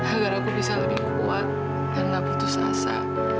agar aku bisa lebih kuat dan tidak putus asa